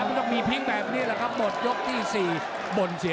โอ้โหโอ้โหโอ้โหโอ้โหโอ้โหโอ้โห